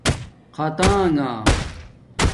خَطانݣہ